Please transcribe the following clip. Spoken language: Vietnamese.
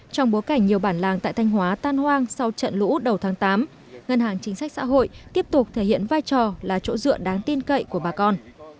trong bối cảnh nhiều bản làng tại thanh hóa tan hoang sau trận lũ đầu tháng tám ngân hàng chính sách xã hội tiếp tục thể hiện vai trò là chỗ dựa đáng tin cậy của bà con